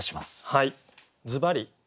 はい。